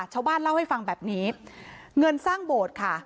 ชาวบ้านเล่าให้ฟังแบบนี้เงินสร้างโบสถ์ค่ะ